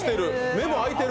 目も開いてる。